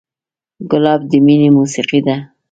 ګلاب د مینې موسیقي ده.